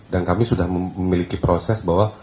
dan kami sudah memiliki proses bahwa